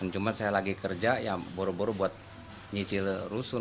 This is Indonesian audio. cuma saya lagi kerja ya buru buru buat nyicil rusun